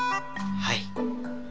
はい。